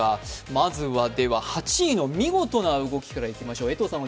まずは８位の見事な動きからいきましょう。